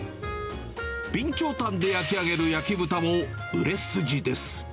備長炭で焼き上げる焼き豚も売れ筋です。